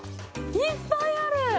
いっぱいある！